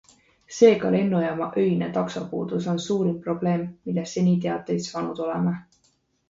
Seega lennujaama öine taksopuudus on suurim probleem, millest seni teateid saanud oleme.